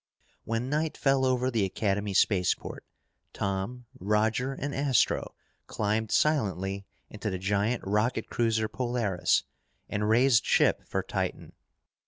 When night fell over the Academy spaceport, Tom, Roger, and Astro climbed silently into the giant rocket cruiser Polaris and raised ship for Titan.